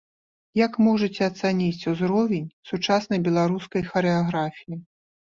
Як можаце ацаніць узровень сучаснай беларускай харэаграфіі?